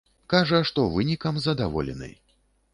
Кажа, што вынікам задаволены.